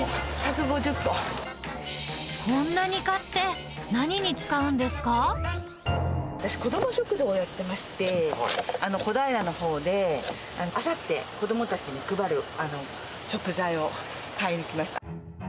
こんなに買って何に使うんで私、子ども食堂をやってまして、小平のほうで、あさって、子どもたちに配る食材を買いに来ました。